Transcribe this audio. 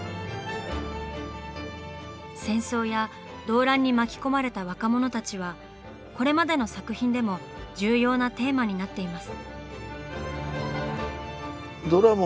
戦争や動乱に巻き込まれた若者たちはこれまでの作品でも重要なテーマになっています。